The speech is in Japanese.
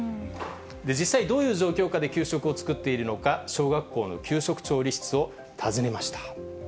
実際、どういう状況下で給食を作っているのか、小学校の給食調理室を訪ねました。